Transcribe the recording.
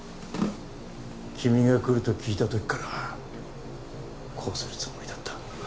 君が来ると聞いた時からこうするつもりだった。